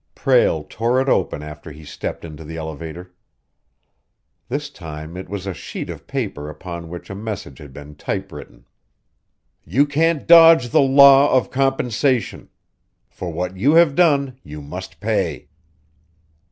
Prale tore it open after he stepped into the elevator. This time it was a sheet of paper upon which a message had been typewritten. "You can't dodge the law of compensation. For what you have done, you must pay."